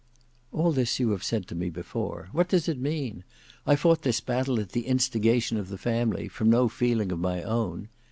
"All this you have said to me before. What does it mean? I fought this battle at the instigation of the family, from no feeling of my own.